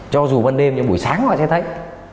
cho dù ban đêm nhưng buổi sáng họ sẽ thấy